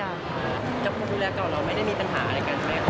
แล้วคุณดูแลเก่าเราไม่ได้มีปัญหาด้วยกันไหมครับ